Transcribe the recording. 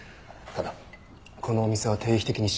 ただこのお店は定期的に仕入れてます。